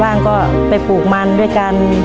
บ้างก็ไปปลูกมันด้วยกัน